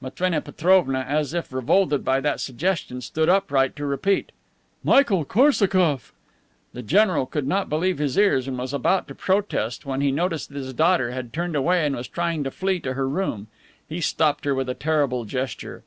Matrena Petrovna, as if revolted by that suggestion, stood upright to repeat: "Michael Korsakoff!" The general could not believe his ears, and was about to protest when he noticed that his daughter had turned away and was trying to flee to her room. He stopped her with a terrible gesture.